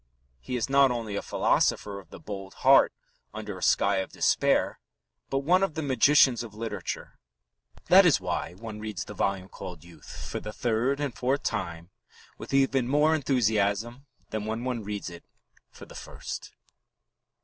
He is not only a philosopher of the bold heart under a sky of despair, but one of the magicians of literature. That is why one reads the volume called Youth for the third and fourth time with even more enthusiasm than when one reads it for the first.